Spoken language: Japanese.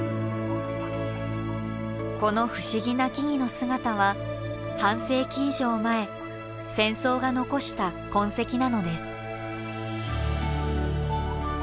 この不思議な木々の姿は半世紀以上前戦争が残した痕跡なのです。